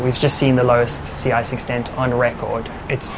kami hanya melihat kekurangan air di bawah yang paling rendah